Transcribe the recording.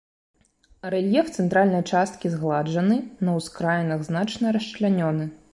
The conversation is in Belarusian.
Рэльеф цэнтральнай часткі згладжаны, на ўскраінах значна расчлянёны.